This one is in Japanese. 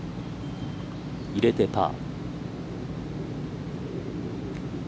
入れてパー。